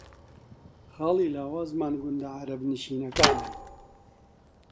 خاڵی لاوازمان گوندە عەرەبنشینەکانن